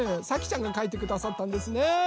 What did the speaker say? さきちゃんがかいてくださったんですね。